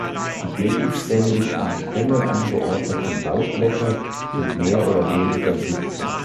Die gegenständig am Stängel angeordneten Laubblätter sind mehr oder weniger sitzend.